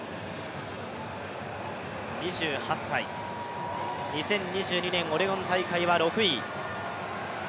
２８歳、２０２２年オレゴン大会は６位。